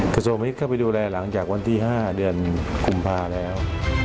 กระทรวงมิตเข้าไปดูแลหลังจากวันที่๕เดือนกุมภาแล้ว